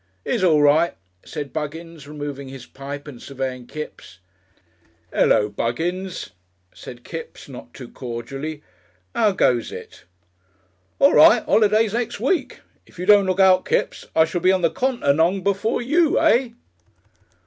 "He's all right," said Buggins, removing his pipe and surveying Kipps. "'Ello, Buggins!" said Kipps, not too cordially. "'Ow goes it?" "All right. Holiday's next week. If you don't look out, Kipps, I shall be on the Continong before you. Eh?"